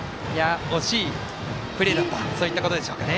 惜しいプレーだったということでしょうね。